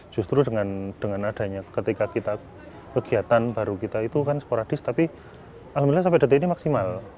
justru dengan adanya ketika kita kegiatan baru kita itu kan sporadis tapi alhamdulillah sampai detik ini maksimal